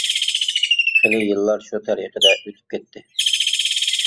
خېلى يىللار شۇ تەرىقىدە ئۆتۈپ كەتتى.